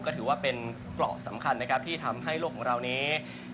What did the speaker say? ก็ถือว่าเป็นเกราะสำคัญนะครับที่ทำให้โลกของเรานี้